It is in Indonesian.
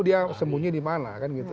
dia sembunyi dimana